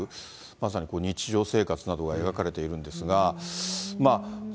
まさにこういう日常生活などが描かれているんですが。